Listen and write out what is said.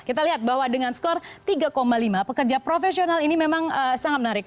kita lihat bahwa dengan skor tiga lima pekerja profesional ini memang sangat menarik